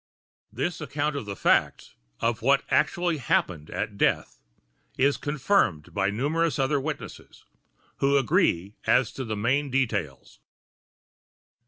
This account of the facts—of what actually happened at death—is confirmed by numerous other witnesses, who agree as to the main details.